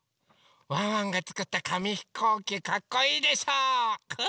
ワンワンがつくったかみひこうきかっこいいでしょう？